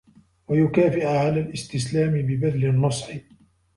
وَيُكَافِئَ عَلَى الِاسْتِسْلَامِ بِبَذْلِ النُّصْحِ